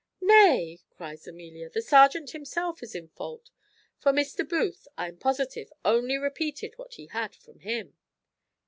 "Nay," cries Amelia, "the serjeant himself is in fault; for Mr. Booth, I am positive, only repeated what he had from him."